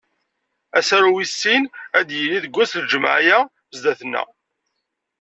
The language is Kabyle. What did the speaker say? Asaru wis sin ad d-yili deg wass n lǧemɛa-ya sdat-neɣ.